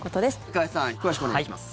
加谷さん詳しくお願いします。